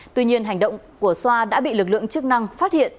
tuy nhiên hành động của xoa đã bị lực lượng chức năng phát hiện